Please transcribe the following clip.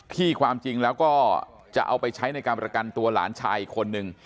ความจริงแล้วก็จะเอาไปใช้ในการประกันตัวหลานชายอีกคนนึง